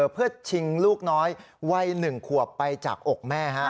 เพื่อชิงลูกน้อยวัย๑ขวบไปจากอกแม่